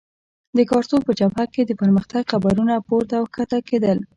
د کارسو په جبهه کې د پرمختګ خبرونه پورته او کښته کېدل.